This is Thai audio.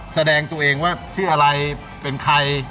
แสดงตัวเองว่าชื่ออะไรเป็นใคร